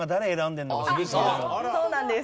あっそうなんです。